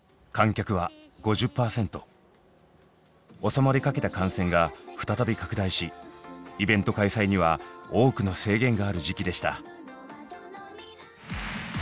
収まりかけた感染が再び拡大しイベント開催には多くの制限がある時期でした。